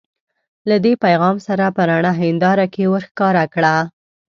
له دې پیغام سره په رڼه هنداره کې ورښکاره کړه.